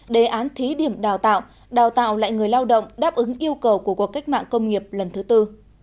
đề án thí điểm đào tạo đào tạo lại người lao động đáp ứng yêu cầu của cuộc cách mạng công nghiệp lần thứ tư